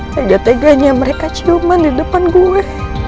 tega teganya mereka ciuman di depan gue